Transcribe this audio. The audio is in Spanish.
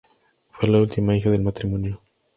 Fue la última hija del matrimonio.